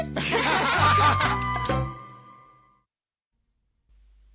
アハハハ。